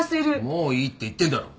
もういいって言ってんだろ。